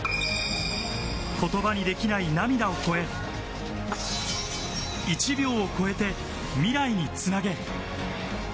言葉にできない涙を越え、１秒を超えて、未来につなげ。